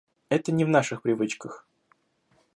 Это не в наших привычках.